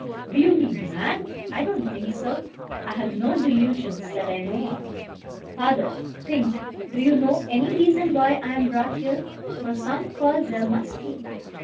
"Do you mean mad? I don't think so. I have no delusions that I know of. Father, think do you know any reason why I am brought here? for some cause there must be."